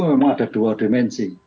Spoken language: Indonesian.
memang ada dua dimensi